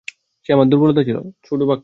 সে আমার দূর্বলতা ছিল।